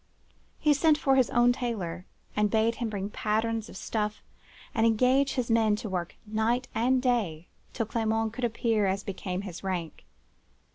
He sent for his own tailor, and bade him bring patterns of stuffs, and engage his men to work night and day till Clement could appear as became his rank.